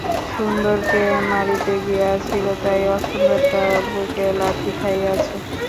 সুন্দরকে মারিতে গিয়াছিল তাই অসুন্দরটা বুকে লাথি খাইয়াছে।